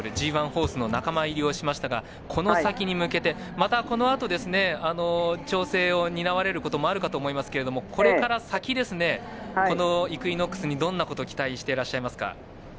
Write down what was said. ホースの仲間入りをしましたがこの先に向けてまた、このあと調整を担われることあるかと思われますけど、この先このイクイノックスにどんなことを期待していらっしゃいますか？